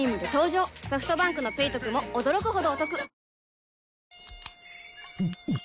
ソフトバンクの「ペイトク」も驚くほどおトク